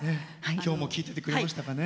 今日も聴いててくれましたかね。